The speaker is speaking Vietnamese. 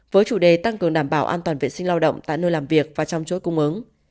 với chủ đề tăng cường đảm bảo an toàn vệ sinh lao động tại nơi làm việc và trong chuỗi cung ứng